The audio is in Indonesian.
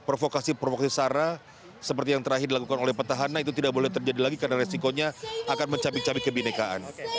provokasi provokasi sara seperti yang terakhir dilakukan oleh petahana itu tidak boleh terjadi lagi karena resikonya akan mencabik cabik kebinekaan